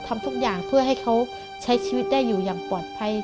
ทำทุกอย่างเพื่อให้เขาใช้ชีวิตได้อยู่อย่างปลอดภัย